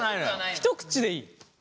一口でいい。